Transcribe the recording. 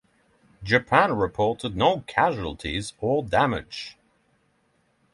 Japan reported no casualties or damage.